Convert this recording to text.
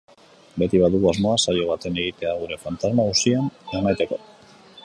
Beti badugu asmoa saio baten egitea gure fantasma guzien emaiteko.